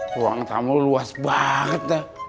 ruang tamu luas banget